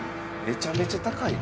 めちゃめちゃ高い。